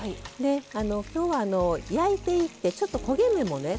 今日は焼いていってちょっと焦げ目もね